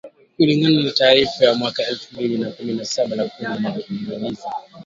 kulingana na taarifa ya mwaka elfu mbili na kumi saba ya kundi la kimazingira